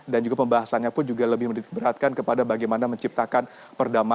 dan juga pembahasannya pun juga lebih menitik beratkan kepada bagaimana menciptakan perdagangan